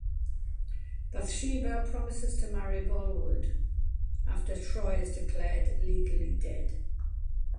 Bathsheba promises to marry Boldwood after Troy is declared legally dead.